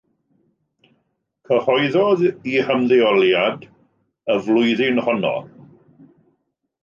Cyhoeddodd ei hymddeoliad y flwyddyn honno.